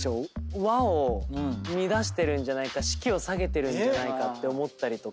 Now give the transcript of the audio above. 輪を乱してるんじゃないか士気を下げてるんじゃないかって思ったりとか。